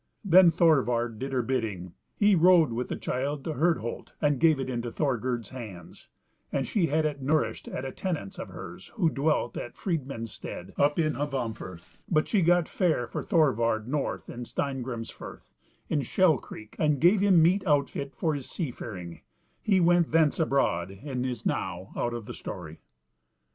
Then Thorvard did her bidding; he rode with the child to Herdholt, and gave it into Thorgerd's hands, and she had it nourished at a tenant's of hers who dwelt at Freedmans stead up in Hvamfirth; but she got fare for Thorvard north in Steingrims firth, in Shell creek, and gave him meet outfit for his sea faring: he went thence abroad, and is now out of the story.